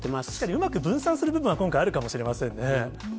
うまく分散する部分は、今回あるかもしれませんね。